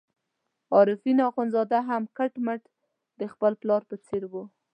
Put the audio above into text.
عارفین اخندزاده هم کټ مټ د خپل پلار په څېر وو.